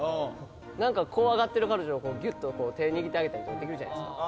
なんか怖がってる彼女をギュッと手握ってあげたりとかできるじゃないですか。